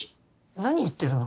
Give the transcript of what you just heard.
何言ってるの？